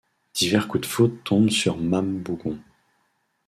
Divers coups de foudre tombent sur mame Bougon